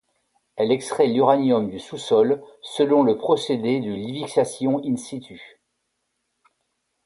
Elle extrait l'uranium du sous-sol selon le procédé de lixiviation in situ.